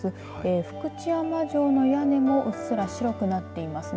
福知山城の屋根もうっすら白くなっていますね。